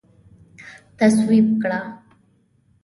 تصویب کړه